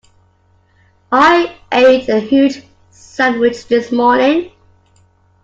I ate a huge sandwich this morning.